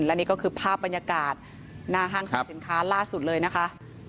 และนี่ก็คือภาพบรรยากาศหน้าห้างสรรพสินค้าล่าสุดเลยนะคะ